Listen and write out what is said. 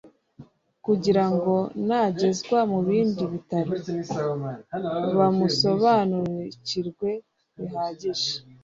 kugirango nagezwa mu bindi bitaro bamusobanukirwe bihagije